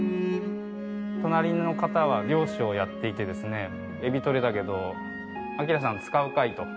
隣の方は漁師をやっていてですね「エビとれたけど明さん使うかい？」と。